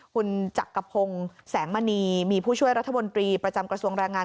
คุณจักรพงศ์แสงมณีมีผู้ช่วยรัฐมนตรีประจำกระทรวงแรงงาน